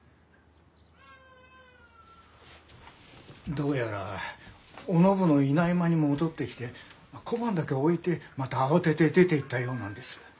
・どうやらお信のいない間に戻ってきて小判だけ置いてまた慌てて出ていったようなんです。